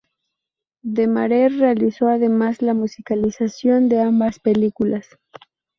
Demare realizó además la musicalización de ambas películas.